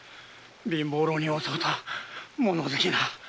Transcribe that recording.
貧乏浪人を襲うとは物好きな。